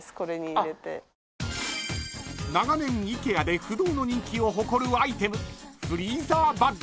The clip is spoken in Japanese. ［長年ＩＫＥＡで不動の人気を誇るアイテム］